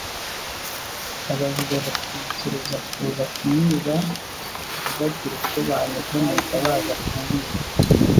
abajura batekereza kuza kumwiba ntibagire uko banyeganyega baza kumwiba